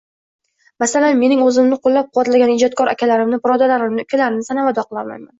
Masalan, mening o`zimni qo`llab-quvvatlagan ijodkor akalarimni, birodarlarimni, ukalarimni sanab ado qilolmayman